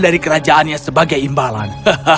dari kerajaannya sebagai imbalan